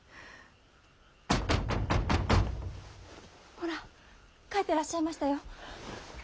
ほら帰ってらっしゃいましたよ。